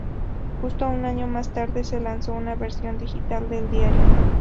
Justo un año más tarde, se lanzó una versión digital del diario.